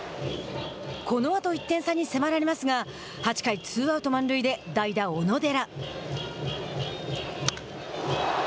このあと１点差に迫られますが８回、ツーアウト、満塁で代打・小野寺。